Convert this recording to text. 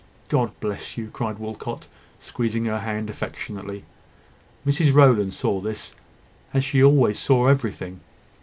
"God bless you!" cried Walcot, squeezing her hand affectionately. Mrs Rowland saw this, as she always saw everything.